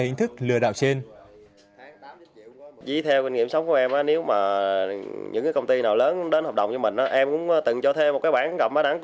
hình thức trên không thể được tìm ra